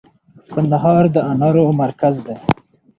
کندهار د انارو مرکز دی